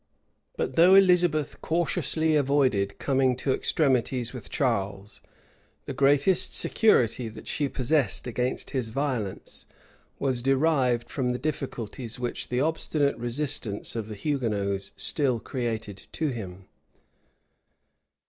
But though Elizabeth cautiously avoided coming to extremities with Charles, the greatest security that she possessed against his violence was derived from the difficulties which the obstinate resistance of the Hugonots still created to him.